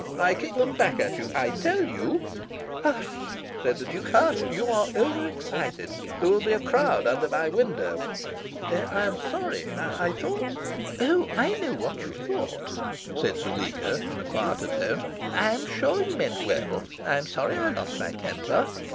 I kick them back at you. I tell you " "Hush," said the Duke, "hush! You are over excited. There will be a crowd under my window. There, there! I am sorry. I thought " "Oh, I know what you thought," said Zuleika, in a quieter tone. "I am sure you meant well. I am sorry I lost my temper.